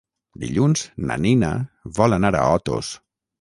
Dilluns na Nina vol anar a Otos.